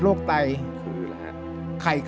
รายการต่อไปนี้เป็นรายการทั่วไปสามารถรับชมได้ทุกวัย